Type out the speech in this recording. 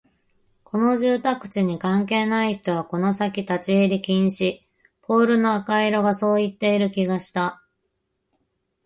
この住宅地に関係のない人はこの先立ち入り禁止、ポールの赤色がそう言っている気がした